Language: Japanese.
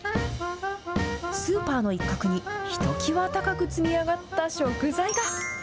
スーパーの一角に、ひときわ高く積み上がった食材が。